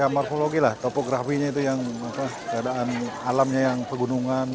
morfologi topografinya keadaan alamnya yang pegunungan